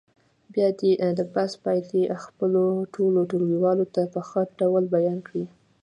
بیا دې د بحث پایلې خپلو ټولو ټولګیوالو ته په ښه ډول بیان کړي.